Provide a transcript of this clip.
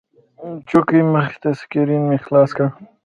د چوکۍ مخې ته سکرین مې خلاص کړ.